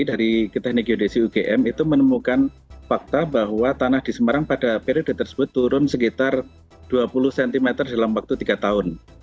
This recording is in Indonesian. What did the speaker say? dari teknik geodesi ugm itu menemukan fakta bahwa tanah di semarang pada periode tersebut turun sekitar dua puluh cm dalam waktu tiga tahun